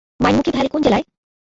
মাইনমুখী valley কোন জেলায়?